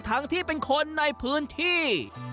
ที่เป็นคนในพื้นที่